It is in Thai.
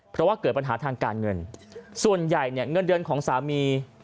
เพราะว่าเกิดปัญหาทางการเงินส่วนใหญ่เนี่ยเงินเดือนของสามี